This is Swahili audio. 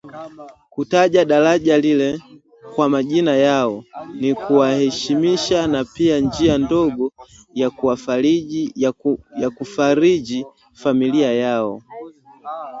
Kutaja daraja lile kwa majina yao, ni kuwaheshimisha na pia njia ndogo ya kufariji familia yao